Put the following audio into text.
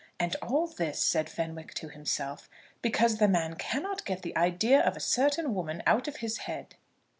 "And all this," said Fenwick to himself, "because the man cannot get the idea of a certain woman out of his head!"